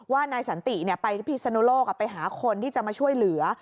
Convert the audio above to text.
นายสันติไปที่พิศนุโลกไปหาคนที่จะมาช่วยเหลือ